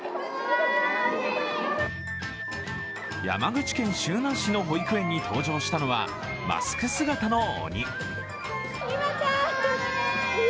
山口県周南市の保育園に登場したのはマスク姿の鬼。